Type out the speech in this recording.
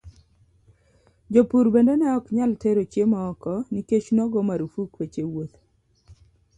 Jopur bende ne ok nyal tero chiemo oko nikech nogo marufuk weche wuoth.